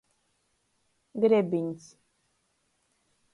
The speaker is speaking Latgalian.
Grebiņs.